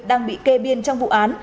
đang bị kê biên trong vụ án